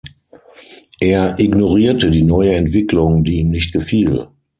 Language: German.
Er ignorierte die neue Entwicklung, die ihm nicht gefiel.